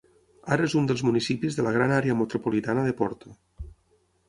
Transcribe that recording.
Ara és un dels municipis de la Gran Àrea Metropolitana de Porto.